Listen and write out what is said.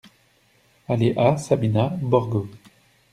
Allée A Sabina, Borgo